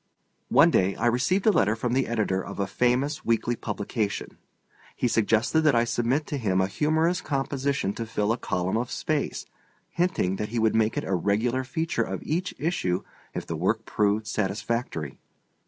One day I received a letter from the editor of a famous weekly publication. He suggested that I submit to him a humorous composition to fill a column of space; hinting that he would make it a regular feature of each issue if the work proved satisfactory.